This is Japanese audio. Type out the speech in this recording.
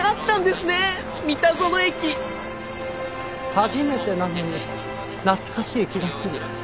初めてなのに懐かしい気がする。